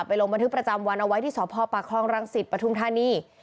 ไปลงบันทึกประจำวันเอาไว้ที่สพภรังสิทธิ์ปทุมธานี